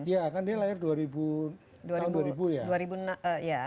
iya kan dia lahir dua ribu ya